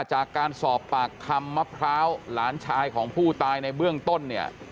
จากการสอบปากคำมะพร้าวหลานชายของผู้ตายในเบื้องต้นเนี่ย